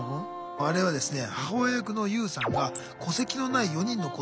あれはですね